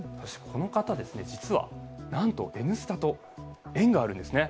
この方、なんと「Ｎスタ」と縁があるんですね。